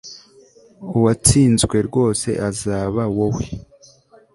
uwatsinzwe rwose azaba wowe